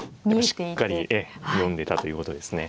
しっかり読んでたということですね。